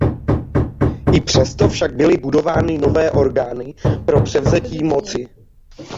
I přesto však byly budovány nové orgány pro převzetí moci.